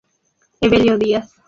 Evelio Díaz.